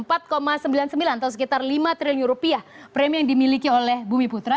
atau sekitar lima triliun rupiah premi yang dimiliki oleh bumi putra